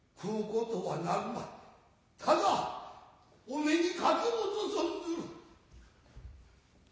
ただお目にかきょうと存ずる。